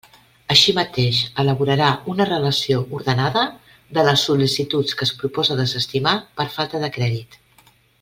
Així mateix elaborarà una relació ordenada de les sol·licituds que es propose desestimar per falta de crèdit.